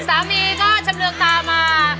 สามีก็ชำเรืองตามา